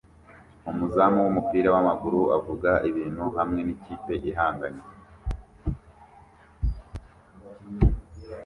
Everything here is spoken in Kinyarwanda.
Umuzamu wumupira wamaguru avuga ibintu hamwe nikipe ihanganye